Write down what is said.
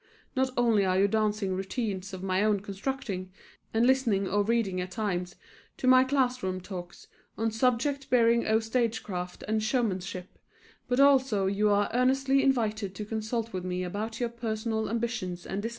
Not only are you dancing routines of my own constructing, and listening or reading at times to my class room talks on subjects bearing oh stage craft and showmanship, but also you are earnestly invited to consult with me about your personal ambitions and desires.